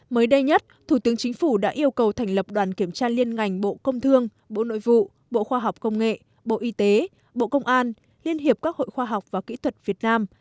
mới đây nhất thủ tướng chính phủ đã yêu cầu thành lập đoàn kiểm tra liên ngành bộ công thương bộ nội vụ bộ khoa học công nghệ bộ y tế bộ công an liên hiệp các hội khoa học và kỹ thuật việt nam